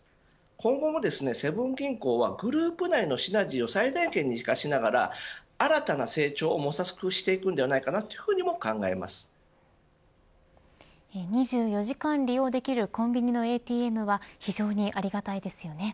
今後もセブン銀行はグループ内のシナジーを最大限に生かしながら新たな成長を模索していくと２４時間利用できるコンビニのＡＴＭは非常にありがたいですよね。